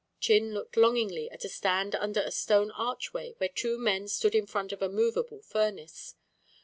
Chin looked longingly at a stand under a stone archway where two men stood in front of a movable furnace.